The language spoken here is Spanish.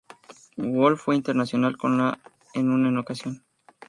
Wolf fue internacional con la en una ocasión.